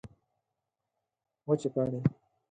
وچې پاڼې